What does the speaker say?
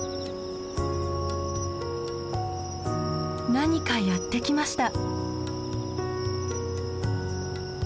何かやって来ました。